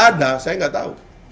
ada saya nggak tahu